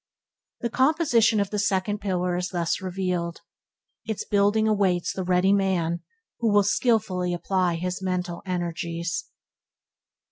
The composition of the Second Pillar is thus revealed. Its building awaits the ready work man who will skillfully apply his mental energies.